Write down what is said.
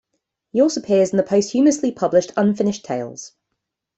He also appears in the posthumously published "Unfinished Tales".